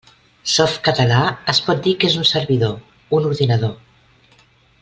Softcatalà es pot dir que és un servidor, un ordinador.